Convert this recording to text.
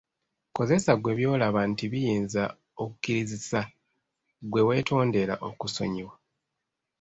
Kozesa ggwe by'olaba nti biyinza okukukkirizisa gwe weetondera okukusonyiwa.